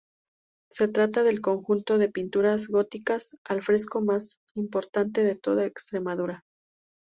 Se trata del conjunto de pinturas góticas al fresco más importante de toda Extremadura.